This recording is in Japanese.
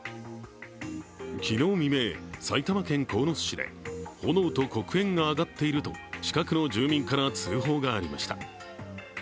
昨日未明、埼玉県鴻巣市で炎と黒煙が上がっていると近くの住民から通報がありました。